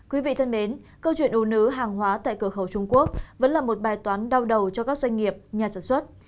quý vị thân mến câu chuyện ồ nứ hàng hóa tại cửa khẩu trung quốc vẫn là một bài toán đau đầu cho các doanh nghiệp nhà sản xuất